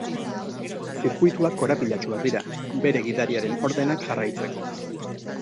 Zirkuituak korapilatsuak dira, bere gidariaren ordenak jarraitzeko.